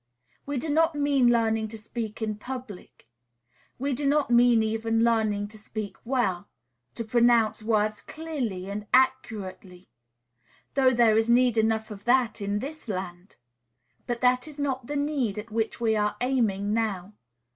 We do not mean learning to speak in public. We do not mean even learning to speak well, to pronounce words clearly and accurately; though there is need enough of that in this land! But that is not the need at which we are aiming now.